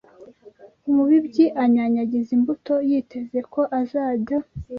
Umubibyi anyanyagiza imbuto yiteze ko azajya